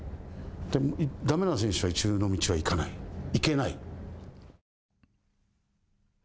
だめな選手は一流の道は行かない行けない。